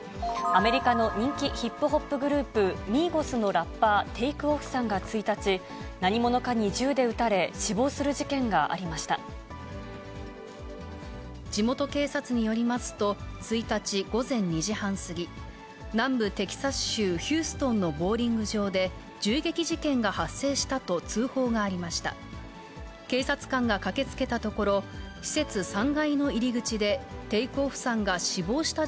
アメリカの人気ヒップホップグループ、ミーゴスのラッパー、テイクオフさんが１日、何者かに銃で撃たれ、地元警察によりますと、１日午前２時半過ぎ、南部テキサス州ヒューストンのボウリング場で、銃撃事件が発生したと通報がありました。